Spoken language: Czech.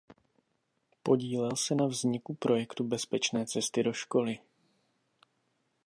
Podílel se na vzniku projektu Bezpečné cesty do školy.